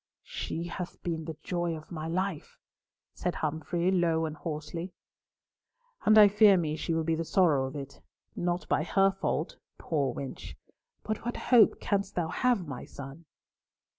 "She hath been the joy of my life," said Humfrey, low and hoarsely. "And I fear me she will be the sorrow of it. Not by her fault, poor wench, but what hope canst thou have, my son?"